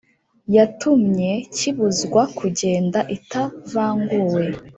yatumye kibuzwa kugenda itavanguwe